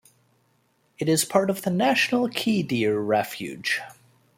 It is part of the National Key Deer Refuge.